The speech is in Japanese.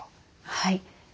はい。